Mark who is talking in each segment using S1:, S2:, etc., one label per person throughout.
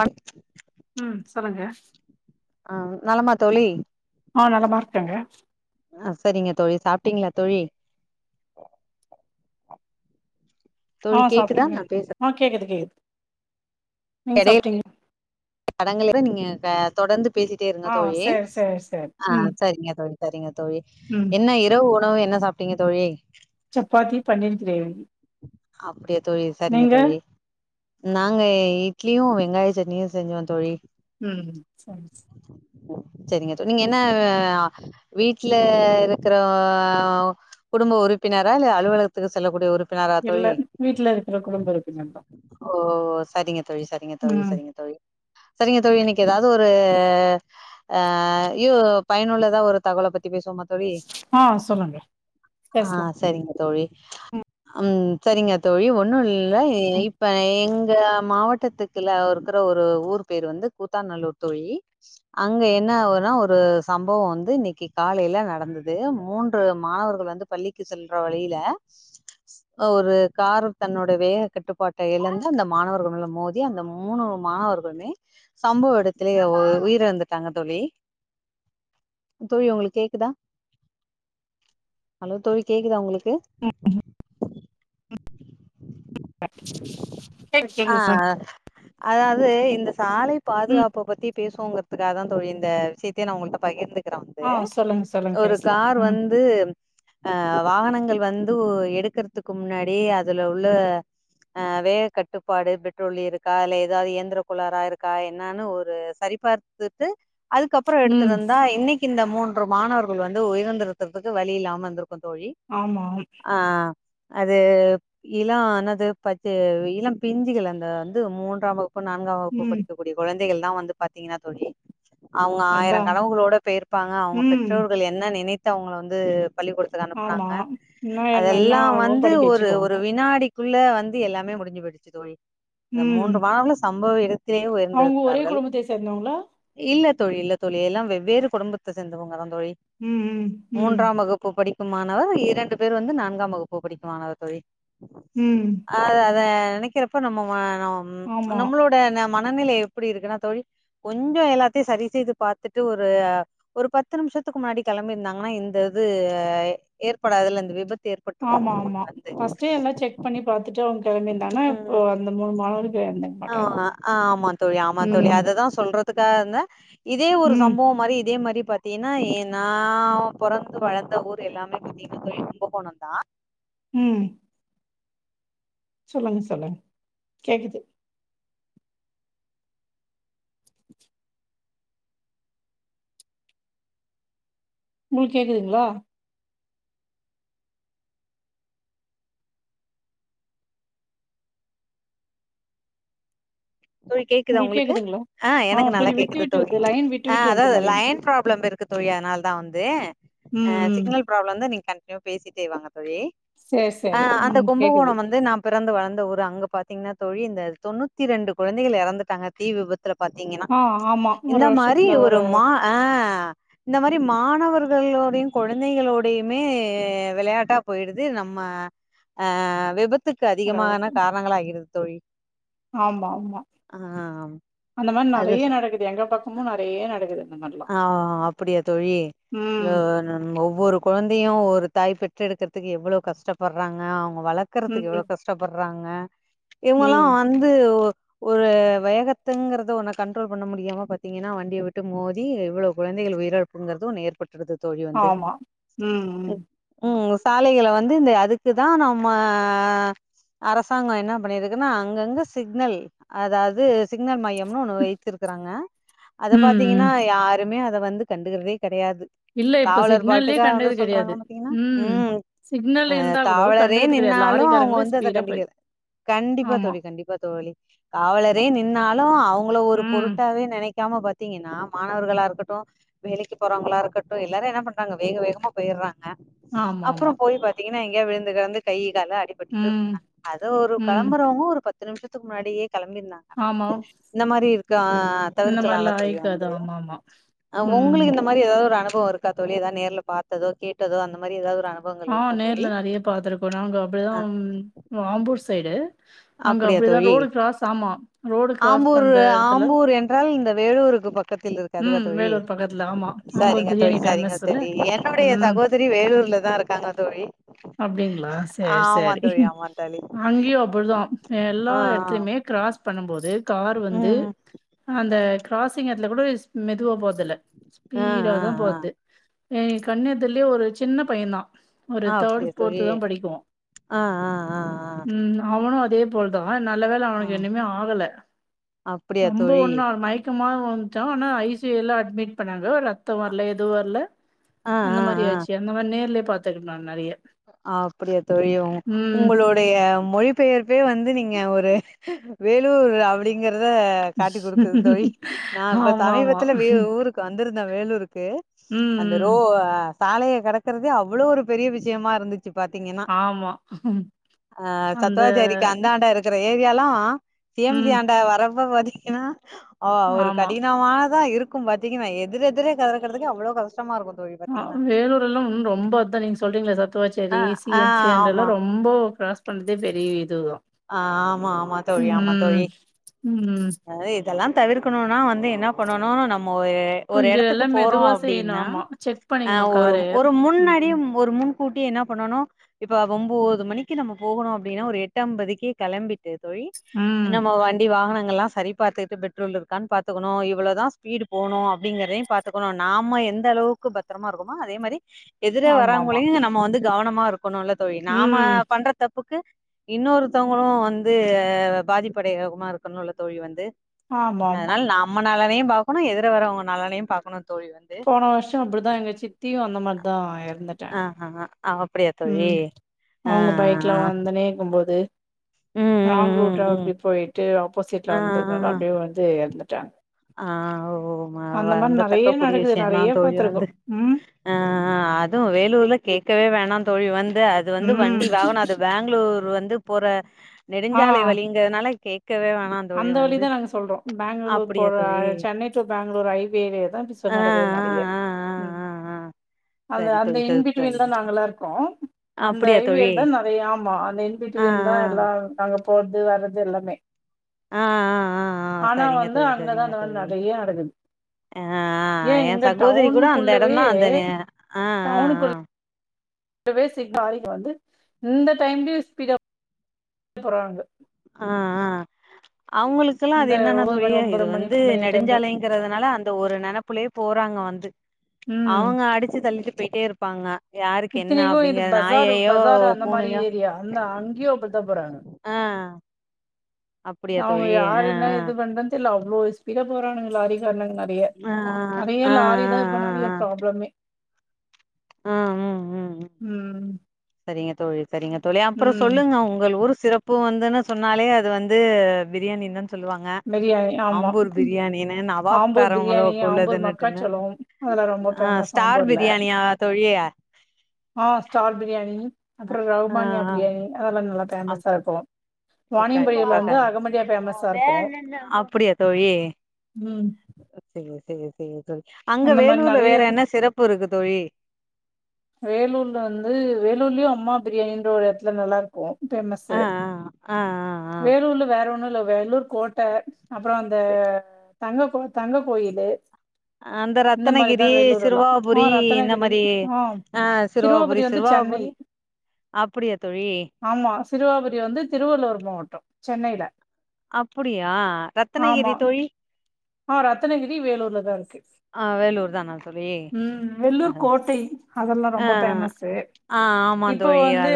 S1: One
S2: ம் சொல்லுங்க
S1: ஆ நலமா தோழி
S2: ஆ நலமா இருக்கேங்க
S1: அ செரிங்க தோழி சாப்டீங்களா தோழி [inaudible]
S2: ஆ
S1: கேக்குதா
S2: சாப்டேங்க
S1: நா பேசுற
S2: ஆ கேக்குது கேக்குது நீங்க சாப்டிங்ளா
S1: தடங்கள் இருநீங்க தொடர்ந்து பேசிட்டே இருங்க
S2: ஆ
S1: தோழி
S2: சேரி சேரி சேரி
S1: ஆ
S2: ம்
S1: சரிங்க தோழி சரிங்க தோழி
S2: ம்
S1: என்ன எட் இரவு உணவு என்ன சாப்புட்டீங்க தோழி
S2: சப்பாத்தி பன்னீர் கிரேவி
S1: அப்புடியா தோழி சரிங்க
S2: நீங்க
S1: தோழி நாங்க இட்லியு வெங்காய சட்னியு செஞ்சோ தோழி
S2: ம்
S1: செரிங்க தோழி நீங்க என்னா வீட்ல இருக்குற குடும்ப உறுப்பினரா இல்ல அலுவலகத்துக்கு செல்லக்கூடிய உறுப்
S2: இல்ல வீட்ல இருக்கற குடும்ப உறுப்பினர் தா
S1: ஓ சரிங்க தோழி சரிங்க தோழி
S2: ம்
S1: சரிங்க தோழி சரிங்க தோழி இன்னைக்கி ஏதாவது ஒரு அ யோ பயனுள்ளதா ஒரு தகவல பத்தி பேசுவோமா
S2: ஆ சொல்லுங்க
S1: ஆ
S2: பேசலா
S1: சரிங்க தோழி
S2: ம்
S1: ம் சரிங்க தோழி ஒன்னு இல இப்ப எங்க மாவட் ட்டத்துக்குள்ள இருக்கற ஒரு ஊர் பேர் வந்து கூத்தாநல்லூர் தோழி அங்க என்ன ஆவுதுன்னா ஒரு சம்பவோ வந்து இன்னைக்கி காலையில நடந்தது மூன்று மாணவர்கள் வந்து பள்ளிக்கு செல்ற வழியில ஒரு காரு தன்னோடைய வேக கட்டுப்பாட்ட இழந்து அந்த மாணவர்கள் மேல மோதி அந்த மூணு மாணவர்கள் சம்பவ எடத்துலயே உயிர் இழந்துட்டாங்க தோழி தோழி உங்களுக்கு கேக்குதா ஹலோ தோழி கேக்குதா உங்களுக்கு
S2: ம் ம் [inaudible]
S1: ஆ அதாது இந்த சாலை
S2: ம்
S1: பாதுகாப்ப பத்தி பேசுவோங்கறதுக்காக தா தோழி இந்த விஷயத்தே நா உங்க கிட்ட பகிர்ந்து கிற வந்து
S2: ஆ சொல்லுங்க சொல்லுங்க
S1: ஒரு
S2: பேசலா
S1: கார்
S2: ம்
S1: வந்து அ வாகனங்கள் வந்து எடுக்கறதுக்கு முன்னாடி அதுல உள்ள ஆ வேக கட்டு ப்பாடு பெட்ரோல் இருக்கா இல்ல ஏதாவது இயந்திர கொளாரா இருக்கா என்னன்னு ஒரு சரிபார் த்துட்டு அதுக்கப்புறோ
S2: ம்
S1: எடுத்திருந்தா இன்னிக் இந்த மூன்று மாணவர்கள் வந்து உயர் இருந்தறத்துக்கு வழி இல்லாம இருந்திருக்கு தோழி
S2: ஆமாம்
S1: ஆ அது இளோ என்னாது பச்ச இளம் பிஞ்சிகள் அந்த வந்து மூன்றாம் வகுப்பு நான்காம் வகுப்பு
S2: ம்
S1: படிக்கக்க கூடிய குழந்தைகள் தா வந்து பாத்தீங்கன்னா தோழி அவுங்க ஆயிரோ
S2: அதா
S1: கணவுகளோட போயிருப்பாங்க அவுங்க
S2: ம்
S1: பெற்றோர்கள் என் என்ன நினைத்து அவுங்கள வந்து பள்ளி கூட டத்துக்கு
S2: ஆமா
S1: அனுப்புனாங்க
S2: இன்னு என்னன்னா
S1: அதெல்லா
S2: அவ
S1: வந்து
S2: படிக்க
S1: ஒரு
S2: வச்சுக்குவாங்க
S1: ஒரு வினாடி குள்ள வந்து எல்லாமே முடிஞ்சி போயிடுச்சி தோழி
S2: ம்
S1: மூன்று மாணவர்களு சம்பவ ஏடத் த்துலயே
S2: அவங்க ஒரே
S1: உயர்ந்திருக்கார்கள்
S2: குடும்பத்தை சேர்ந்தவங்களா
S1: இல்ல தோழி, இல்ல தோழி, எல்லா வெவ்வேறு குடும்பத்த சேந்துவங்கதா தோழி.
S2: ம், ம், ம்,
S1: மூன்றாம் வகுப்பு படி க்கும் மாணவர் இரண்டு பேர் வந்து நான்காம் வகுப்பு படிக்கும் மாணவர் தோழி
S2: ம்.
S1: அது அத நெனைக்கிறப்ப நம்ம
S2: ஆமா.
S1: நம்மளோட மனநிலை எப்டி இருக்குன்னா தோழி கொஞ்சோ எல்லாத்தையு சரி செய்து பாத்துட்டு ஒரு ஒரு பத்து நிமிஷத்துக்கு முன்னாடி களம்பிருந்தாங்கன்னா இந்த இது ஏற்படாதுல்ல இந்த விபத்து
S2: ஆமா
S1: ஏற்பட்ருக்காதுல்ல தோழி
S2: ஆமா
S1: வந்து
S2: ஃபர்ஸ்ட்டே எல்லா செக் பண்ணி பாத் த்துட்டு அவங்க கெளம்பிருந்தாங்கனா
S1: ம்
S2: இப்ப அந்த மூணு மாணவர்கள் எறந்துருக்கமாட்
S1: ஆ ஆ ஆமா தோழி ஆமா தோழி அதுதா சொல்றதுக்காக இருந்த இதே ஒரு
S2: ம்,
S1: சம்பவம் மாரி இதே மாரி பா த்தீன்னா ஏ நா பொறந்து வளந்த ஊர் எல்லாமே பத்தீங்கனா தோழி கும்பகோணம்தா
S2: ம் சொல்லுங்க சொல்லுங்க கேக்குது உங்களுக்கு கேக்குதுங்களா
S1: தோழி கேக்குதா உங்களுக்கு ஆ எனக்கு நல்லா
S2: கொஞ்சம் விட்டு,
S1: கேக்குது
S2: விட்டு
S1: தோழி
S2: வருது. லைன் விட்டு,
S1: ஆ
S2: விட்டு வந்த
S1: அதாவது
S2: மாரி இருந்துச்சு.
S1: லைன் ப்ராப்ளம் இருக்கு தோழி அதனாலதா வந்து
S2: ம்,
S1: ஆ சிக்னல்
S2: ம்.
S1: ப்ராப்ளம்தா நீங்க கண்டினியூவா பேசிட்டேவாங்க தோழி
S2: சரி,
S1: ஆ
S2: சரி.
S1: அந்த
S2: ம் கேக்குது.
S1: கும்பகோணம் வந்து நா பிறந்து வளந்த ஊரு அங்க பாத்தீங்னா தோழி இந்த தொண்ணூத்தி ரெண்டு குழந்தைகள் எறந்துட்டாங்க தீ விபத் துல பாத்தீங்கனா
S2: ஆ ஆமா. ஒரு
S1: இந்த மாரி
S2: வருஷத்துல
S1: ஒரு மா அ இந்த மாரி மாணவர்களோடையு கொழந்தைகளோடையுமே வெளையாட்டா போயிடுது நம்ம ஆ விபத்துக்கு
S2: தடவ
S1: அதிகமான
S2: இருக்கு.
S1: காரணங்கள் ஆகிடுது தோழி
S2: ஆமா ஆமா
S1: ஆ
S2: அந்த மாரி
S1: அது
S2: நறைய நடக்குது எங்க பக்கமு நறைய நடக்குது இந்த மாரிலாம்.
S1: ஆ அப்டியா தோழி இல்ல
S2: ம்,
S1: ஒவ்வொரு கொழந்தையு ஒரு தாய் பெற்றெடுக்கற்துக்கு எவ்ளோ கஷ்டப்பட்றாங்க அவங்க வளக்கறக்கு எவ்ளோ
S2: ம்,
S1: கஷ் டப்பட்றாங்க இவங்களா
S2: ம்.
S1: வந்து ஒரு வேகத்துங்கறத ஒன்ன கண்ட்ரோல் பண்ண முடியாம பாத்தீங்கன்னா வண்டிய விட்டு மோதி தி இவ்ளோ கொழந்தைகள் உயிரிழப்புங்கறது ஒன்னு ஏற்பட்டுருது தோழி வந்து
S2: ஆமா. ம், ம்.
S1: ம் சாலைகள வந்து இந்த அதுக்குதா நம்ம அரசாங்க என்ன பண்ணிருக்குன்னா அங்கங்க சிக்னல் அதா து சிக்னல் மையம்னு ஒன்னு வைத்திருக்றாங்க அத
S2: ம்,
S1: பாத்தீங்க
S2: ம்.
S1: னா யாருமே அத வந்து கண்டுக்றதே கடையாது
S2: இல்ல இப்ப
S1: காவலர்
S2: சிக்னல்லயே
S1: பாட்டுக்கா வந்து
S2: கண்டது கெடையாது.
S1: சொல்றாங்க பாத்தீங்கன்னா, ம்
S2: சிக்னல்
S1: அ
S2: இருந்தா கூட
S1: காவலரே
S2: கண்டது கெடையாது.
S1: நின்னாலு அவங்க
S2: லாரிக்காரங்களே
S1: வந்து அத
S2: ஸ்பீடா போய்
S1: கண்டிக்கிற கண்டிப்பா
S2: ஆமா.
S1: தோழி கண்டிப்பா தோழி காவலரே நின்னாலு அவங்கள ஒரு
S2: ம்.
S1: பொருட்டாவே நெனைக்காம பாத்தீங்கன்னா மாணவர்களா இருக்கட்டு வேலைக்கு போறவங்ளா இருக்கட்டு எல்லாரு என்ன பண்றாங்க வேக வேகமா போய்ட்றாங்க அப்றோ
S2: ஆமாமா.
S1: போய் பாத்தீங்கன்னா எங்கயா விழுந்து கெடந்து கை காலு அடி பட்டுட்டு
S2: ம்,
S1: அத ஒரு
S2: ம்.
S1: களம்புறவங்க ஒரு பத்து நிமிஷத்துக்கு முன்னாடியே களம்பிருந்தாங்க னா
S2: ஆமா.
S1: இந்த மாரி இருக்க தவிர்க்கலால்ல தோழி வந்து
S2: ஆமா
S1: அ உங்களுக்கு எந்த மாரி ஏதாது ஒரு அனுபவ இருக்கா தோழி எதா நேர்ல பாத்ததோ கேட்டதோ அந்த மாரி ஏதாது ஒரு அனுபவ
S2: ஆ நேர்ல நெறைய பாத்தருக்கோ நாங்க அப்டிதா ஆம்பூர் சைடு அங்க
S1: அப்டியா
S2: அப்படிதான்
S1: தோழி,
S2: ரோடு கிராஸ் ஆமா. ரோடு கிராஸ்
S1: ஆம்பூர்
S2: பண்ற எடத்துல
S1: ஆம்பூர் என்றால் இந்த வேலூருக்கு பக் பக்கத்தில் இருக்கே அதுவா
S2: ம்
S1: தோழி
S2: வேலூர் பக்கத்துல ஆமா. ஆம்பூர்
S1: சரிங்க
S2: பிரியாணி
S1: தோழி சரிங்க
S2: ஃபேமஸ்ல.
S1: தோழி என்னுடைய
S2: ம்.
S1: சகோ திரி வேலூர்ல தா இருக்காங்க தோழி
S2: அப்டிங்களா சரி
S1: ஆமா
S2: சரி
S1: தோழி ஆமா தோழி
S2: அங்கயு அப்பதா எல்லா
S1: ஆ ஆ
S2: இடத்துலயுமே கிராஸ் பண்ணும்போது கார் வந்து
S1: ம்
S2: அந்த கிராசிங் எட்த்துல கூட மெதுவா போறதில
S1: ஆ
S2: ஸ்பீடா
S1: ஆ
S2: தா
S1: ஆ
S2: போறது ம் கண்னெதிர்லயே ஒரு சின்ன பையந்தா ஒரு
S1: ஆ
S2: தேர்டு
S1: அப்படியா தோழி
S2: ஃபோர்த்து தா படிக்கு
S1: ஆ ஆ ஆ
S2: ம் அவனு அதே போல் தா நல்ல வேல
S1: ஆ ஆ
S2: அவனுக்கு என்னுமே ஆகல
S1: அப்படியா
S2: ரொம்ப
S1: தோழி
S2: ஒன்னா மைக் கமாய் உழுந்துட்டா ஆனா ஐ சி யு ல அட்மிட் பண்ணாங்க ரத்தொ வர்ல எதுவு வர்ல
S1: ஆ
S2: அந்த
S1: ஆ
S2: மாரி
S1: ஆ
S2: ஆச்சு அந்த மாரி நேர்லயே பாத்துருக்க நா நெறைய
S1: அப்டியா தோழி
S2: ம்
S1: உங்களோட டைய மொழிபெயர்ப்பே வந்து நீங்க ஒரு வேலூர் அப்படிங்கறத காட்டி கொடுக்குது தோழி நா இப்ப
S2: ஆமா ஆமா
S1: சமீபத்தில வீ ஊருக்கு வந்திருந்தெ வேலூருக்கு
S2: ம்
S1: அந்த ரோ
S2: ம்
S1: சாலய கடக்கறதே அவ்ளோ ஒரு பெரிய விஷ விஷயமா இருந்துச்சு பாத்தீங்கன்னா
S2: ஆமா
S1: அ
S2: அந்த
S1: சத்துவாச்சாரிக்கு அந்தாண்ட இருக் இருக்கிற ஏரியாலா சி எம் சி
S2: ம்
S1: அந்தாண்ட வரப்ப பாத்திங்கன்னா ஓ ஒரு
S2: ஆமா.
S1: கடினமானதா இருக்கு பாத்தீங்கன்னா எதிர் எதிரே கடக்கறதுக்கு அவ்ளோ கஷ்டமா இருக்கு தோழி
S2: ஆ
S1: பாத்தீங்கன்னா
S2: வேலூர் எல்லா ஒன்னு ரொம்ப அதா நீங்க சொல்றீங்களே
S1: ஆ
S2: சத்துவாச்சேரி
S1: ஆ
S2: சிஎம் சி அங்
S1: ஆமா
S2: கெல்லா ரொம் ரொம்போ க்ராஸ் பண்றதே பெரிய இதுதா
S1: ஆ ஆமா ஆமா தோழி ஆமா தோழி
S2: ம்.
S1: அது இதெல்லா தவிர்க்கணுனா வந்து என்ன பண்ணணு நம்ம ஒரு ஒரு
S2: கொஞ்சம்
S1: இடத்துக்கு
S2: எல்லாம்
S1: போறோ
S2: மெதுவா செய்யணும்.
S1: அப்டின்னா
S2: ஆமா. செக்
S1: அ
S2: பண்ணிக்கணும்
S1: ஒரு
S2: காரு.
S1: ஒரு
S2: ம்.
S1: முன்னாடியே ஒரு முன்கூட்டி என்ன பண்ணனு இபபோ ஓம்போது மணிக்கு நம்ம போகணு அப்படின்னா ஒரு எட்டு ஐம்பதுக் கே கிளம்பிட்டு போயி
S2: ம்.
S1: நம்ம வண்டி வாகனங்கள் எல்லா சரி பாத்துக்கிட்டு பெட்ரோல் இருக்கான்னு பார்த்துகணு இவ்வளவுதா ஸ்பீடு போனு அப்டிங்கறதயு பாத்துக்கணு நாம எந்த அளவுக்கு பத் பத்திரமா இருக்கும்மா அதே மாதிரி எதிரே
S2: ஆமாமா.
S1: வராங்களையு நம்ம வந்து கவனமா இருக்கணு தோழி நாம
S2: ம்.
S1: பண்ற தப்புக்கு இன்னொரு மத்தவங்களு வந்து பாதிப்பு அடையறதுமா இருக்குனு தோழி வந்து
S2: ஆமாமா.
S1: அதனால நாம் நம்ம நலனையும் பாக்கணு எதிர வரவங்க நலனையு பார்க்கணு தோழி வந்து
S2: போன வருஷோ அப்டிதா எங்க சித்தியு அந்த மாதிரிதா இறந்துட்
S1: ஆ ஹ ஹா
S2: ம் அவங்க
S1: ஆ
S2: பைக்ல வந்துனே இருக்கும்போது
S1: ம்
S2: லாங்
S1: ம்
S2: ரூட்டா
S1: ம் ம்
S2: அப்டி போயிட்டு
S1: ஆ
S2: ஆப்போசிட்ல வந்ததுனால அப்டியே வந்து இறந்துட்டாங்
S1: ஆ ஓ வருந்த தக்கக்கூடிய
S2: நடக்குது.
S1: விஷயோ தா
S2: நெறைய
S1: தோழி வந்து
S2: பார்த்துருக்கோம். ம்.
S1: அ அதும் வேலூர்ல கேக்கவே வேணா தோழி வந்து வந்து
S2: ம்.
S1: வண்டி வாகனோ அது பேங்களூர் வந்து போற
S2: ஆ
S1: நெடுஞ்சாலை வழி அதனால கேக்கவே வேணா தோழி
S2: அந்த வழி
S1: வந்து
S2: தா நாங்க சொல்றோ பேங்ளூர் டூர்
S1: அப்டியா
S2: போற
S1: தோழி
S2: சென்னை டூ பேங்களூர் ஹைவேல தா பிரச்சனை
S1: ஆ
S2: நடக்குது நறைய
S1: ஆ ஆ ஆ ஆ ஆ
S2: அந்த
S1: சரி
S2: அந்த
S1: தோழி சரி தோழி
S2: இன்பிட்வீன்ல நாங்க எல்லா இருக்கோ அந்த
S1: அப்டியா
S2: ஐவேல
S1: தோழி
S2: தா நறைய ஆமா அந்த
S1: ஆ
S2: இன்பிட்வீன் தா நாங்க
S1: ஆ
S2: எல்லா நாங்க போறது வர்றது எல்லாமே
S1: ஆ ஆ ஆ
S2: ஆனா
S1: சேரிங்க
S2: வந்து
S1: தோழி
S2: அங்கதா
S1: சேரிங்க
S2: அந்த மாரி
S1: தோழி
S2: நெறைய நடக்குது
S1: ஆ ஆ
S2: ஏ
S1: என்
S2: இங்க
S1: சகோதரி கூட அந்த இடோ
S2: டவுனுக்குள்ளவே
S1: தா அந்த ஆ ஆ ஆ
S2: அதுவே செட் ஆயிடு வந்து இந்த டைம்லயு ஸ்பீடா போறது புறாங்க
S1: ஆ ஆ அவங்களு க்குலா அது
S2: இந்த
S1: என்னன்னா
S2: ஒன்பது
S1: தோழி
S2: மணி
S1: இது
S2: ஒன்பதர மணி
S1: வந்து
S2: பத்து மணி டைம்ல
S1: நெடுஞ்சாலைங்கிறதுல அந்த ஒரு நெனப்புலயே போறாங்க வந்து
S2: ம்
S1: அவங்க அடிச்சு தள்ளிட்டு பேயிட்டே இருப்பாங்க யாருக்கு என்ன
S2: இத்தனைக்கு இது
S1: அப்டிங்கிற
S2: பஜார்
S1: நாயையோ
S2: பஜார் அந்த மாரி
S1: பூனையோ
S2: ஏரியா அந்த அங்கேயு அப்படித்தா போறாங்க
S1: ஆ அப்டியா
S2: அவங்க
S1: தோழி
S2: யாரு
S1: ஆ
S2: என்ன இது பண்றன் தெர்ல அவ்ளோ ஸ்பீடா போறானுங்க லாரி காரனுங்க நறைய ஆ றைய லாரி தா இப்ப நறைய
S1: ஆ ஆ
S2: ப்ராப்ளமே
S1: ஆ ஆ ம்
S2: ம்
S1: சரிங்க தோழி சரிங்க தோழி அப்பறோ
S2: ம்
S1: சொல்லுங்க உங்கள் ஊரு சிறப் இப்போ வந்துனு சொன்னாலே அது வந்து பிரியாணின் தா சொல்லுவாங் க
S2: பிரியாணி ஆமா
S1: ஆம்பூர்
S2: ம்.
S1: பிரியாணினு நவாப்
S2: ஆம்பூர்
S1: காரங்களு
S2: பிரியாணி
S1: குள்ளது
S2: ஆம்பூர்
S1: இன்னுட்டுனு
S2: மக்காச்சோளோ அதெல்லா ரொம்ப
S1: ஆ
S2: ஃபேமஸ்
S1: ஸ்டார்
S2: ஆம்பூர்ல
S1: பிரியாணியா தோழிய
S2: ஆ ஸ்டார் பிரியாணி அப்றோ
S1: ஆ
S2: ரவுபான்யா
S1: ஆ
S2: பிரியாணி அதுலா நல்லா ஃபேமஸ்ஸா இருக்கூ
S1: அ கண்டிப்பா கண்
S2: ஃபேமஸா இருக்கு
S1: அப்படியே தோழி
S2: ம்
S1: அ தெரியு தெரியு தெரியு தோழி அங்க
S2: அந்த மாரி
S1: வேலூர்ல
S2: நெறைய
S1: வேற என்ன சிறப்பு இருக்கு தோழி
S2: வேலூர்ல வந்து வேலூர்லையு அம்மா பிரியாணின்ற ஒரு எடத்துல நல்லாருக்கோ
S1: ஆ
S2: பேமஸு
S1: ஆ ஆ ஆ ஆ
S2: வேலூர்ல வேற ஒன்னு இல்ல வேலூர் கோட்ட அப்பறோ அந்த தங்க கோ தங்க கோயிலு
S1: அந்த
S2: இந்த மாரிதா
S1: ரத்தனகிரி
S2: வேலூர் எல்லா ஆ
S1: சிறுவாபுரி இந்த
S2: ரத்தனகிரி
S1: மாரி ஆ சிறுவாபுரி
S2: வந்து சென்னை
S1: சிறுவாபுரி அப்படியா தோழி
S2: ஆமா சிறுவாபுரி வந்து திருவள்ளூர் மாவட்டோ சென்னையில
S1: அப்புடியா
S2: ஆமா
S1: ரத்துனகிரி தோழி
S2: ஆ ரத்னகிரி வேலூர்லதா இருக்கு
S1: ஆ வேலூர் தானா தோழி
S2: ம் வெல்லூர்
S1: ஆ
S2: கோட்டை அது எல்லா ரொம்ப பேமஸு
S1: ஆ ஆமா தோழி அ
S2: து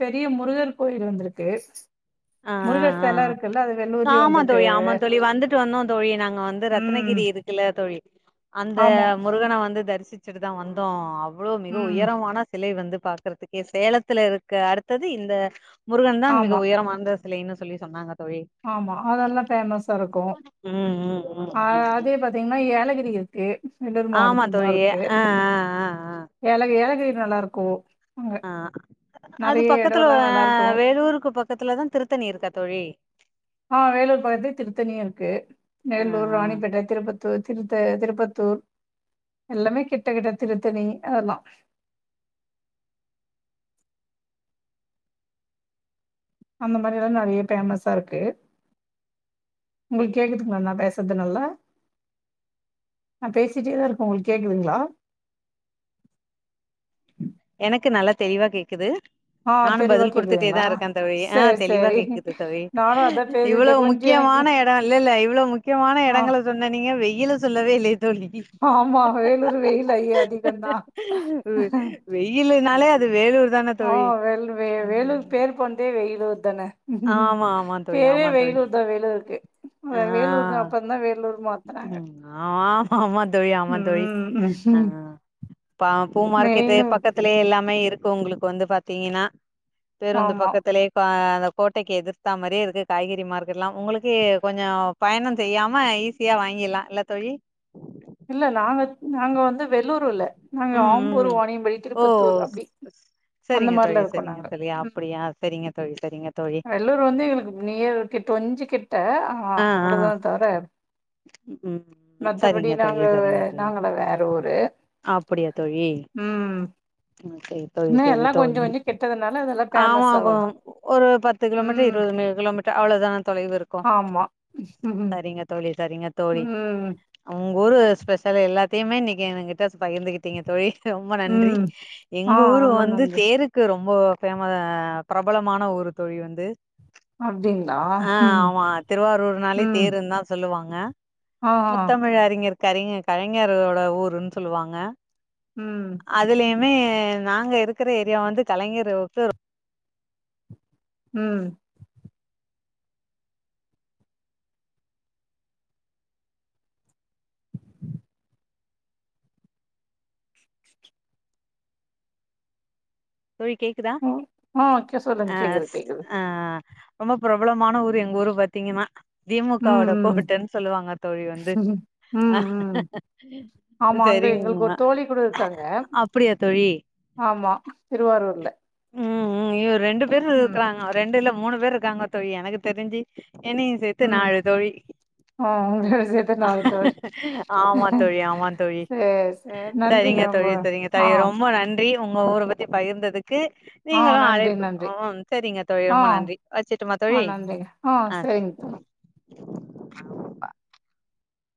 S2: பெரிய முருகர் கோயில் வந்துருக்கு
S1: ஆ ஆ
S2: முருகர்செல இருக்குல்ல அது வெல்லூர்லே வந்துருக்கு
S1: ட்டு வந்தோ தோழி நாங்க வந்து ரத்துனகிரி இருக்குல தோழி அந்த
S2: ஆமா
S1: முருகன வந்து தரிசி ச்சிட்டு தா வந்தோ அவ்ளோ மிக
S2: ம்
S1: உயரமான சிலை வந்து பாக்குறதுக்கே சேலத்துல இருக்க அடுத்தது இந்த முருகன் தா மிக
S2: ஆமா
S1: உயரமா ந்த சிலைன்னு சொல்லி சொன்னாங்க தோழி
S2: ஆமா அதெல்லா ஃபேமஸா இருக்கோ
S1: ம் ம் ம் ம் ம்.
S2: அதே பாத்திங்கின்னா ஏலகிரி இரு க்கு வெல்லூர்
S1: ஆமா
S2: மாவட்டத்தில் தா
S1: தோழி
S2: இருக்கு
S1: ஆ ஆ ஆ ஆ
S2: ஏலகி ஏலகிரி நல்லாருக்கு
S1: ஆ அது பக்கத்துல
S2: நல்லா இருக்கு
S1: வேலூருக்கு பக்கத்துல தா திருத்தணி இருக்கா தோழி
S2: ஆ வேலூர் பக்கத்த திருத்தணியு இருக்கு
S1: ஆ
S2: மேலூர்
S1: ஆ
S2: ராணிப்பேட்டை திருப்பத்தூர் திருத்த திருப்பத்தூர் எல்லாமே கிட்ட கிட்ட திருத்தணி அதெல்லா அந்த மாரி எல்லா நெறைய பேமஸாருக்கு உங்களு கேக்குதுங்களா நா பேசது நல்லா நா பேசிட்டே தா இருக்கே உங்களு கேக்குதுங்களா
S1: எனக்கு நல்லா தெளிவா கேக்குது
S2: ஆ
S1: நானு
S2: தெளிவா
S1: பதில் குடுத்துட்டே தா
S2: கேக்குதுங்களா
S1: இருக்கே தோழி ஆ
S2: சேரி
S1: தெளிவா
S2: சேரி
S1: கேக்குது தோழி
S2: நானு அதா பேசிட்டே
S1: இவ்வளோ
S2: கொஞ்சோ எனக்கு
S1: முக்கியமான எடோ இல்ல இல்ல இவ்ளோ முக்கியமான
S2: ஆ
S1: எடங்கள சொன்ன நீங்க வெயில சொல்லவே இல்லையே தோழி
S2: ஆமா வேலூரு வெயில் ஐ அதிகந்தா
S1: வெ- வெயிலுனாலே அது வேலூர் தான
S2: ஆ
S1: தோழி
S2: வெ வேளுர்
S1: ம்.
S2: பேர் பொண்தே வெயிலு தானே ம்
S1: ஆமா ஆமா தோழி
S2: பேரே
S1: ஆமா தோழி
S2: வேய்லூர் தா வேலூர்க்கே
S1: ஆ
S2: வேலூர்ன அப்ப தா வேலூர் மா
S1: ம் ஆமா ஆமா தோழி ஆமா தோழி ஆ
S2: ம்
S1: பூ மார்க்கெட்டு
S2: மெயினு
S1: பக்கத் த்திலே எல்லாமே இருக்கு உங்குளுக்கு வந்து பாத்தீங்கினா பேருந்து
S2: ஆமா
S1: பக்கத்திலே பா அத கோட்டைக்கி எதிர்த்தா மாரியே இருக்கு காய்கறி மார்க்கெட் எல்லா உங்களுக்கு கொஞ்ச பயண செய்யாம ஈஸ் ஈசியா வாங்கிலா இல்ல தோழி
S2: இல்ல நாங்க நாங்க வந்து வெலூர்இல்ல நாங்க
S1: ம்
S2: ஆம்பூர்
S1: ம்
S2: வாணியம்பள்ளி
S1: ஓ
S2: திருப்பத்தூர்
S1: ஸ்
S2: அப்பிடி அந்த மாரிலா இருக்கோ நாங்க ம்
S1: அப்புடியா செரிங்க தோழி செரிங்க
S2: வெள்ளூர் வந்து எங்களுக்கு நேர் கிட்ட கொஞ்ச கிட்ட
S1: ஆ ஆ
S2: அவ்ளதா தவிர
S1: ம்
S2: மத்தபடி
S1: சரிங்க தோழி
S2: நாங்க நாங்களா வேற ஊரு
S1: அப்பிடியா தோழி
S2: ம்
S1: ம் செரி தோழி
S2: இன்னு
S1: செரி
S2: எல்லா கொஞ்ச
S1: தோழி
S2: கொஞ்ச கெட்டதுனால அதெல்லா பேமஸ்
S1: ஆமாகோ
S2: அவ்ளதா
S1: ஒரு பத்து கிலோமீட்ரு
S2: ம்
S1: இருவதுமைல் கிலோமீட்ர் அவ்ளதா தொலைவு இருக்கு
S2: அ [unintelligible]
S1: செரிங்க தோழி சரிங்க தோழி உங்கு ஊரு ஸ்பெஷல எல்லாத்தையுமே இன்னக்கி என்கிட்ட பகிந்துகிட்டீங்க தோழி ரொம்ப நன்றி
S2: ம் ஆ
S1: எங்க ஊரு
S2: ரொம்ப
S1: வந்து
S2: நன்றி
S1: தேரு க்கு ரொம்ப பேம பிரபலமான ஊரு தோழி வந்து
S2: அப்டிங்லா ம்
S1: திருவாருர் நாளே
S2: ம்
S1: தேருன் தா சொல்லுவாங்க
S2: ஆ ஆ
S1: முத்தமிழ் அறிஞர் கரிஞ கலைஞரோட ஊருன்னு சொல்லுவாங்க
S2: ம்
S1: அதிலியுமே நாங்க இருக்குற ஏரியா வந்து கலைஞர்வுத்து
S2: ம்
S1: தோழி கேக்குதா
S2: ஆ ஓகே சொல்லுங்க
S1: அ
S2: கேக்குது
S1: ஸ்
S2: கேக்குது
S1: ஆ ரொம்ப பிரபலமான ஊரு எங்க ஊரு பாத்தீங்கன்னா
S2: ம்
S1: திமுகவோட
S2: ம்
S1: கோட்டன்னு சொல்லுவாங்க தோழி வந்து
S2: ம் ம் ஆமா அங்க எங்களுக்கு
S1: செரிங்க
S2: ஒரு தோழி கூட இருக்காங்க
S1: அப்படியா தோழி
S2: ஆமா திருவாரூர்ல
S1: அயோ ரெண்டு பேர்
S2: ம்
S1: இருக்கறாங்க ரெண்டு இல்ல மூணு பேரு இருக்காங்க தோழி எனக்கு தெரிஞ்சு எனை சேத்து
S2: ம்
S1: நாலு தோழி
S2: ஆ உங்களோட சேத்து நாலு தோழி
S1: ஆமா தோழி ஆமா தோழி
S2: சேரி சேரி நன்றிங்க
S1: சரிங்க
S2: ரொம்ப
S1: தோழி சரிங்க
S2: ஆ
S1: தோழி ரொம்ப நன்றி உங்க ஊர பத்தி பகிர்ந்ததுக் க்கு
S2: ஆ
S1: நீங்களு
S2: நன்றி
S1: அழைப்பு
S2: நன்றி
S1: ம் செரிங்க தோழி
S2: ஆ
S1: ரொம்ப நன்றி வச்சுட்டுமா
S2: ஆ
S1: தோழி
S2: நன்றிங்க ஆ செரிங்க தோழி